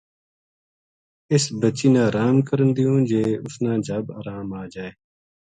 اس بچی نا آرام کرن دیوں جے اس نا جھب آرام آ جائے